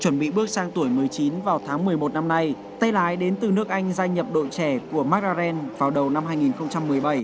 chuẩn bị bước sang tuổi một mươi chín vào tháng một mươi một năm nay tay lái đến từ nước anh gia nhập đội trẻ của mcrand vào đầu năm hai nghìn một mươi bảy